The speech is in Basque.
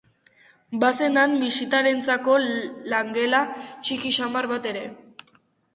Bazen han bisitarientzako langela txiki samar bat ere.